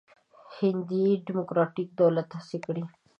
هندي ډموکراتیک دولت هڅې کړې.